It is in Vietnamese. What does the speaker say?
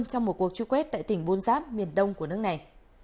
trong một cuộc truy quét tại tỉnh bunzab miền đông của nước này